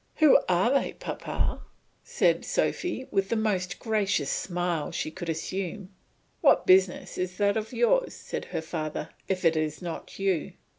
"Who are they, papa," said Sophy with the most gracious smile she could assume. "What business is that of yours," said her father, "if it is not you?"